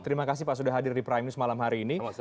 terima kasih pak sudah hadir di prime news malam hari ini